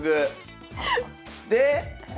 で？